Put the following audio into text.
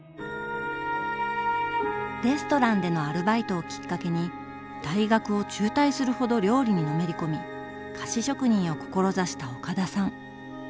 レストランでのアルバイトをきっかけに大学を中退するほど料理にのめり込み菓子職人を志した岡田さん。